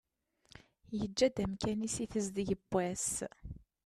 Yeǧǧa-d amkan-is i tezdeg n wass.